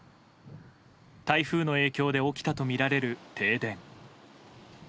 台風の影響で起きたとみられる停電。